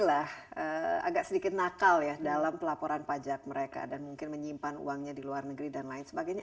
agak sedikit nakal ya dalam pelaporan pajak mereka dan mungkin menyimpan uangnya di luar negeri dan lain sebagainya